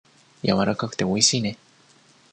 やわらかくておいしいね。